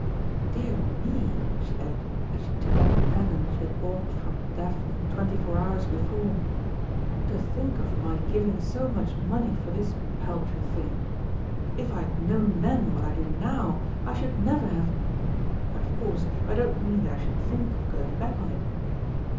Dear me," she added, as she took up the pendant she had bought from Daphne twenty four hours before, "to think of my giving so much money for this paltry thing! If I had known then what I do now, I should never have but, of course, I don't mean that I should think of going back on it."